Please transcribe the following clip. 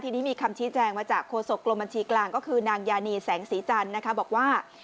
ทีนี้มีคำชี้แจงมาจากโฆษกรมบัญชีกลางก็คือนางยานีแสงสีจันทร์นะคะบอกว่า